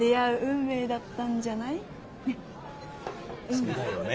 そうだよね。